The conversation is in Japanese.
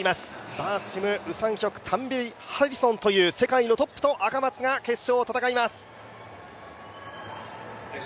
バーシム、ウ・サンヒョク、タンベリ、ハリソンという世界のトップと赤松が決勝を戦います。